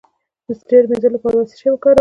د ستړیا د مینځلو لپاره باید څه شی وکاروم؟